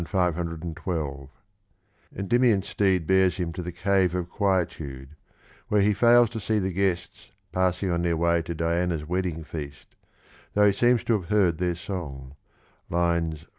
Endymion's steed bears him to the Cave of Quietude, where he fails to see the guests passing on their way to Diana's wed ding feast, though he seems to have heard their song (556, 611).